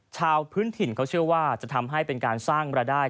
พื้นถิ่นเขาเชื่อว่าจะทำให้เป็นการสร้างรายได้